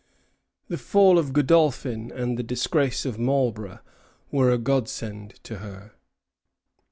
The fall of Godolphin and the disgrace of Marlborough were a godsend to her.